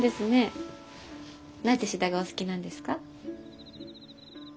なぜシダがお好きなんですか？